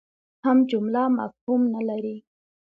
هم جمله مفهوم نه لري.